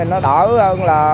nó đỡ hơn là